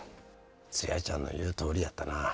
ツヤちゃんの言うとおりやったな。